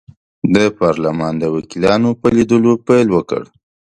د پارلمان د وکیلانو په لیدلو پیل وکړ.